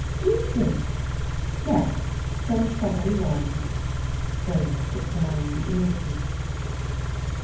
Music. Yes, send somebody round." Dodo put down the ear piece.